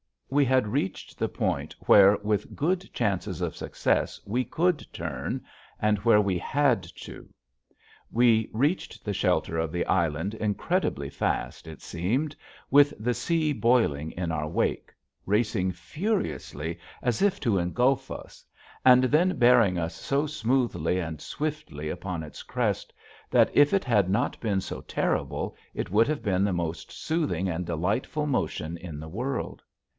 We had reached the point where with good chances of success we could turn, and where we had to. We reached the shelter of the island incredibly fast, it seemed, with the sea boiling in our wake, racing furiously as if to engulf us, and then bearing us so smoothly and swiftly upon its crest that if it had not been so terrible it would have been the most soothing and delightful motion in the world.